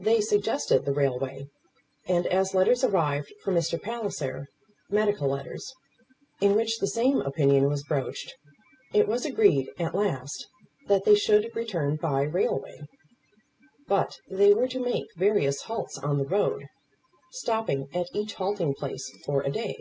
They suggested the railway; and as letters arrived for Mr. Palliser, medical letters, in which the same opinion was broached, it was agreed, at last, that they should return by railway; but they were to make various halts on the road, stopping at each halting place for a day.